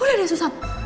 udah deh susan